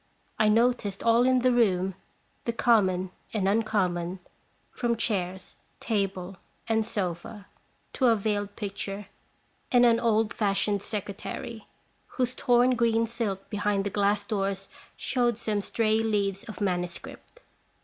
I noticed all in the room, the common and uncommon, from chairs, table, and sofa to a veiled picture and an old fashioned secretary, whose torn green silk behind the glass doors showed some stray leaves of manuscript.